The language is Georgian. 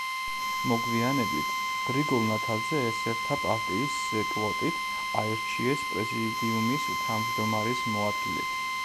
მოგვიანებით გრიგოლ ნათაძე ესერთა პარტიის კვოტით აირჩიეს პრეზიდიუმის თავმჯდომარის მოადგილედ.